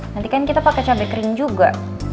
nanti kan kita pakai cabai kering juga